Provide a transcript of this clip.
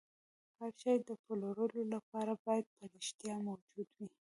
هر شی د پلورلو لپاره باید په رښتیا موجود وي